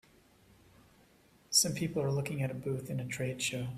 some people are looking at a booth in a trade show.